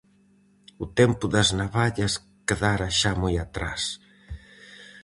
O tempo das navallas quedara xa moi atrás.